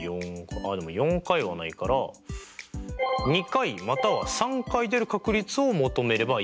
あっでも４回はないから２回または３回出る確率を求めればいい？